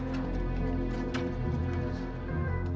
beri saya saham ya sudah pergi sekarang